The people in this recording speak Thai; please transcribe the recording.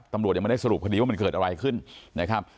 ตำรวจยังไม่ได้สรุปคดีว่ามันเกิดอะไรขึ้นนะครับ